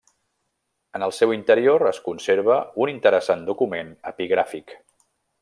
En el seu interior es conserva un interessant document epigràfic.